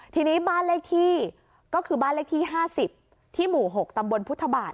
ทีนี้บ้านเลขที่ก็คือบ้านเลขที่๕๐ที่หมู่๖ตำบลพุทธบาท